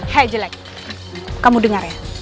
hei jelek kamu dengar ya